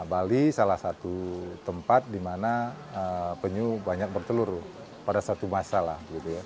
bali salah satu tempat di mana penyu banyak bertelur pada satu masalah